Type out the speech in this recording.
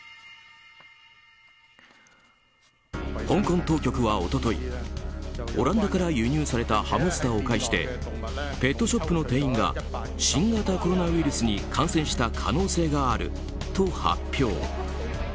香港当局は一昨日オランダから輸入されたハムスターを介してペットショップの店員が新型コロナウイルスに感染した可能性があると発表。